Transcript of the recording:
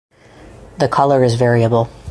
The colour is variable.